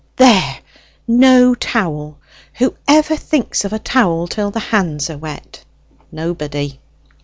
"There! no towel! Whoever thinks of a towel till the hands are wet?" "Nobody."